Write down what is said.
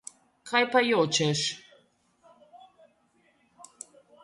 Kaj pa jočeš?